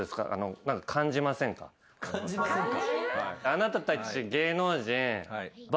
あなたたち芸能人。